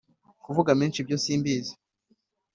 kuvuga menshi ibyo simbizi